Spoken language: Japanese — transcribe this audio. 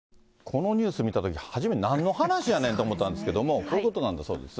このニュース見たとき、はじめ、なんの話やねんと思ったんですけど、こういうことなんだそうです。